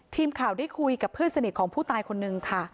ทีมข่าวได้คุยกับเพื่อนสนิทของผู้ตายคนนึงค่ะ